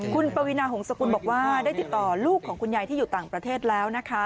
คุณปวีนาหงษกุลบอกว่าได้ติดต่อลูกของคุณยายที่อยู่ต่างประเทศแล้วนะคะ